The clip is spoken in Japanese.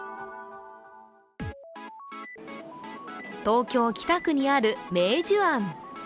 東京・北区にある明壽庵。